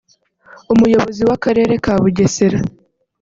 Umuyobozi w’Akarere ka Bugesera